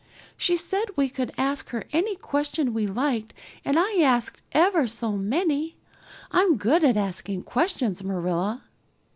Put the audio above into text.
She said we could ask her any question we liked and I asked ever so many. I'm good at asking questions, Marilla."